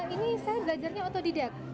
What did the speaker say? ini saya belajarnya otodidak